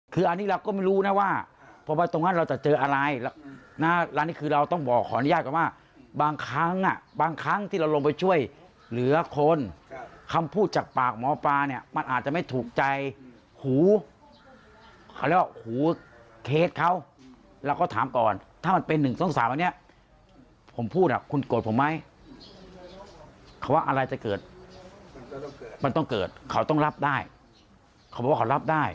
คืออันนี้เราก็ไม่รู้นะว่าเพราะว่าตรงนั้นเราจะเจออะไรนะอันนี้คือเราต้องบอกขออนุญาตก่อนว่าบางครั้งอ่ะบางครั้งที่เราลงไปช่วยเหลือคนคำพูดจากปากหมอปลาเนี่ยมันอาจจะไม่ถูกใจหูเขาเรียกว่าหูเคสเขาเราก็ถามก่อนถ้ามันเป็น๑๒๓อันนี้ผมพูดอ่ะคุณโกรธผมไหมเขาว่าอะไรจะเกิดมันต้องเกิดเขาต้องรับได้เขาบอกว่าเขารับได้